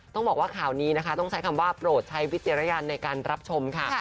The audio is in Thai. ต้องบอกว่าข่าวนี้นะคะต้องใช้คำว่าโปรดใช้วิจารณญาณในการรับชมค่ะ